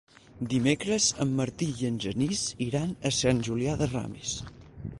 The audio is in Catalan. Dimecres en Martí i en Genís iran a Sant Julià de Ramis.